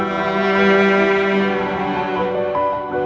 mama gak tau